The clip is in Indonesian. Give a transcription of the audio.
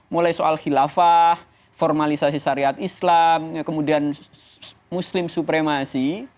mulai soal khilafah formalisasi syariat islam kemudian muslim supremasi